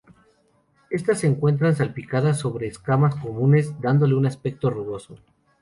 Estas se encuentran salpicadas sobre escamas comunes, dándole un aspecto rugoso.